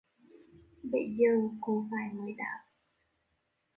Bấy giờ cô gái mới đáp